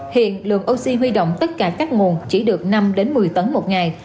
hiện lượng oxy huy động tất cả các nguồn chỉ được năm một mươi tấn một ngày